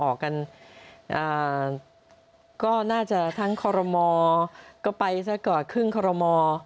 โอเคไม่ได้เช็คอะไรไม่ได้เช็คอะไร